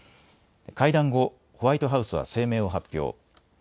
会談後、ホワイトハウスは声明を発表。